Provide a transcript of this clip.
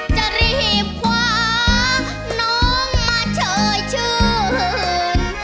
จะรีบคว้าน้องมาเชยชื่น